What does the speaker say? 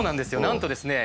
なんとですね